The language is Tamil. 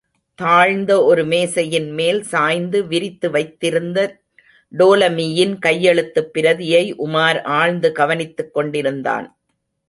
தாழ்ந்த ஒரு மேசையின் மேல் சாய்ந்து விரித்து வைத்திருந்த டோலமியின் கையெழுத்துப் பிரதியை உமார் ஆழ்ந்து கவனித்துக் கொண்டிருந்தான்.